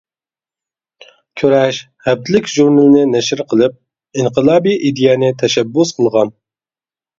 «كۈرەش» ھەپتىلىك ژۇرنىلىنى نەشر قىلىپ، ئىنقىلابىي ئىدىيەنى تەشەببۇس قىلغان.